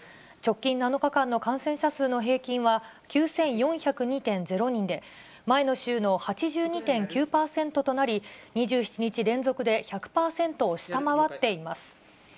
直近７日間の感染者数の平均は９４０２．０人で、前の週の８２．９％となり、２７日連続で１００％を下回っています。